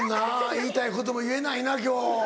言いたいことも言えないな今日。